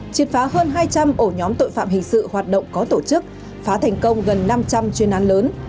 triệt phá hơn hai trăm linh ổ nhóm tội phạm hình sự hoạt động có tổ chức phá thành công gần năm trăm linh chuyên án lớn